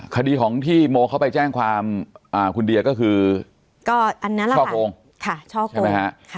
คดีของที่โมเข้าไปแจ้งความคุณเดียก็คือช่อโกงค่ะช่อโกงใช่มั้ยฮะ